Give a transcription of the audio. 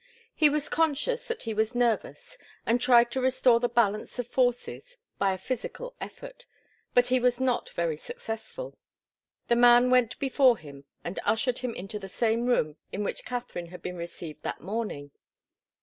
He was conscious that he was nervous and tried to restore the balance of forces by a physical effort, but he was not very successful. The man went before him and ushered him into the same room in which Katharine had been received that morning.